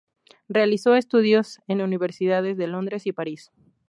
Realizó estudios en universidades de Londres y París.